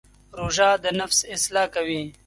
روژه د نفس اصلاح کوي.